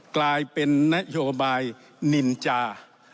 กลายเป็นนโยบายนินจา